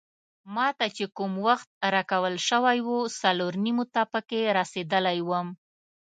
ما ته چې کوم وخت راکول شوی وو څلور نیمو ته پکې رسیدلی وم.